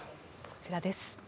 こちらです。